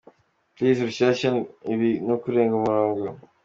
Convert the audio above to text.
Plz Rushyashya ibi nukurenga umurongo “.